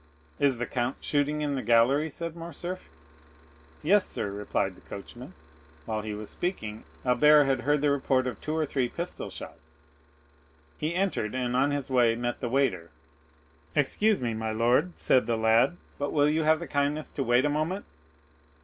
"Is the count shooting in the gallery?" said Morcerf. "Yes, sir," replied the coachman. While he was speaking, Albert had heard the report of two or three pistol shots. He entered, and on his way met the waiter. "Excuse me, my lord," said the lad; "but will you have the kindness to wait a moment?"